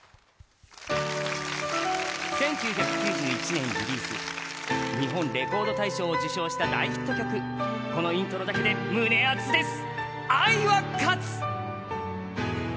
１９９１年リリース、日本レコード大賞を受賞した大ヒット曲、このイントロだけで胸熱です。